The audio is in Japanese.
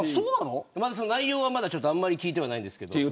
内容はあんまり聞いていないんですけど。